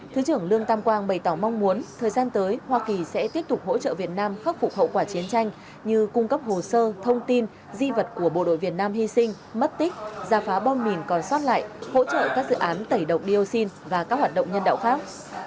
thứ trưởng lương tam quang bày tỏ mong muốn thời gian tới hoa kỳ sẽ tiếp tục hỗ trợ việt nam khắc phục hậu quả chiến tranh như cung cấp hồ sơ thông tin di vật của bộ đội việt nam hy sinh mất tích giả phá bom mìn còn sót lại hỗ trợ các dự án tẩy độc dioxin và các hoạt động nhân đạo khác